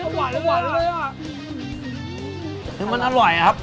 เหมือนมันอร่อยเลยอ่ะ